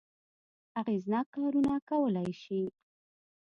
اغېزناک کارونه کولای شي.